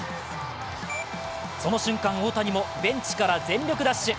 その瞬間、大谷もベンチから全力ダッシュ。